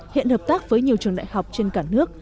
hiện hợp tác với nhiều trường đại học trên cả nước